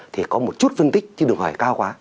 thì có một chút phân tích chứ đừng hỏi cao quá